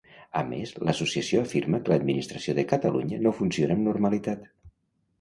A més, l'associació afirma que l'administració de Catalunya no funciona amb normalitat.